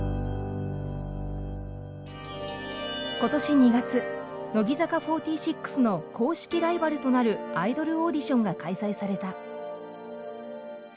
今年２月乃木坂４６の公式ライバルとなるアイドルオーディションが開催された。